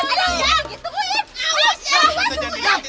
tangan goya tuh tuan